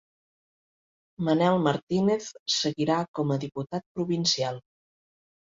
Manel Martínez seguirà com a diputat provincial